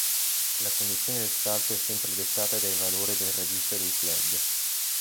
La condizione del salto è sempre dettata dai valori del registro dei flag.